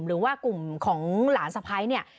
หรือว่ากลุ่มของหลานสะพ้ายเนี่ย